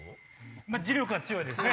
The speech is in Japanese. まぁ磁力は強いですね。